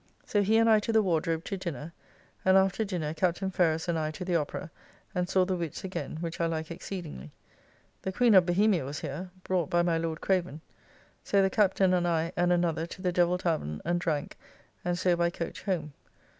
So he and I to the Wardrobe to dinner, and after dinner Captain Ferrers and I to the Opera, and saw "The Witts" again, which I like exceedingly. The Queen of Bohemia was here, brought by my Lord Craven. So the Captain and I and another to the Devil tavern and drank, and so by coach home.